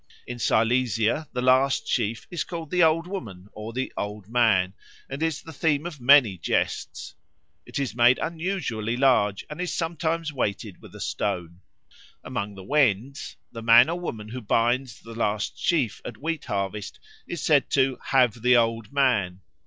In Silesia the last sheaf is called the Old Woman or the Old Man and is the theme of many jests; it is made unusually large and is sometimes weighted with a stone. Among the Wends the man or woman who binds the last sheaf at wheat harvest is said to "have the Old Man."